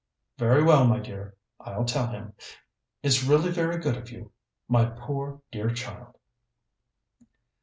Very well, my dear, I'll tell him.... It's really very good of you, my poor dear child...."